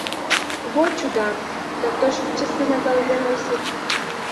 Во чудак! Да кто ж часы на голове носит?